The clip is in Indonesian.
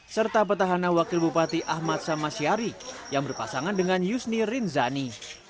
serta petahana wakil bupati ahmad samasyari yang berpasangan dengan yusni rinzani